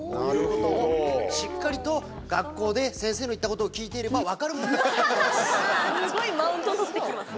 しっかりと学校で先生の言ったことを聞いていれば分かる問題ですよ。